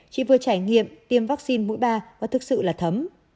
chị vừa trải nghiệm tiêm vaccine mũi ba và thực sự là thấm